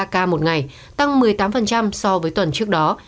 một sáu trăm ba mươi ba ca một ngày tăng một mươi tám so với tuần trước đó